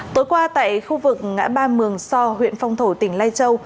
tối qua tại khu vực ngã ba mường so huyện phong thổ tỉnh lai châu